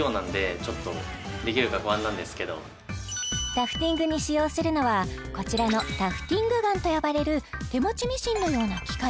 タフティングに使用するのはこちらのタフティングガンと呼ばれる手持ちミシンのような機械